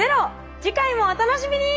次回もお楽しみに！